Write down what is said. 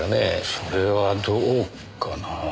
それはどうかなあ。